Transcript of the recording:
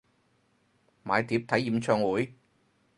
買碟睇演唱會？